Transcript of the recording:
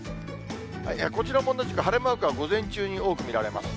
こちらも同じく、晴れマークは午前中に多く見られます。